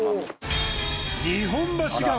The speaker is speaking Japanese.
日本橋川